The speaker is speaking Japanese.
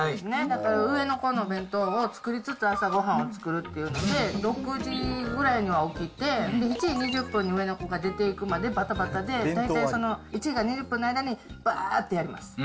だから上の子の弁当を作りつつ、朝ごはんを作るっていって、６時ぐらいには起きて、７時２０分に上の子が出ていくまでばたばたで、大体その１時間２０分の間に、ばーっとやります。